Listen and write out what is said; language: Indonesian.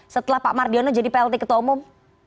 setelah pak mardiono jadi plt ketua umum